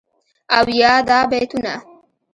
او یادا بیتونه..